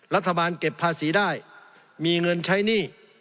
รัฐบาลเก็บภาษีได้มีเงินใช้หนี้